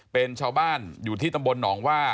เป็นชาวบ้านอยู่ที่ตำบลหนองว่า